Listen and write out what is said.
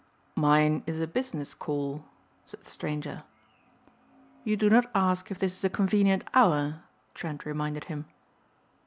"Mine is a business call," said the stranger. "You do not ask if this is a convenient hour," Trent reminded him.